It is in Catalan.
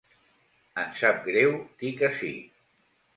Em sap greu dir que sí.